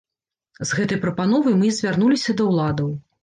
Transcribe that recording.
З гэтай прапановай мы і звярнуліся да ўладаў.